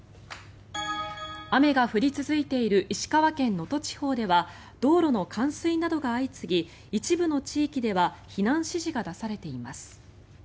雨が降り続いている石川県能登地方では道路の冠水などが相次ぎ一部の地域では避難指示が出されています。